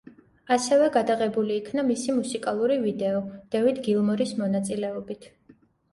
ასევე გადაღებული იქნა მისი მუსიკალური ვიდეო, დევიდ გილმორის მონაწილეობით.